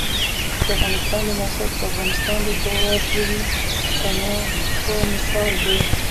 د افغانستان د موقعیت د افغانستان د جغرافیوي تنوع مثال دی.